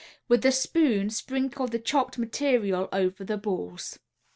With a spoon sprinkle the chopped material over the balls.